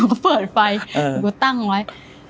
ก็เปิดไฟหนูก็ตั้งไว้